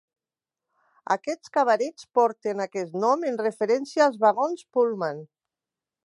Aquests cabarets porten aquest nom en referència als vagons Pullman.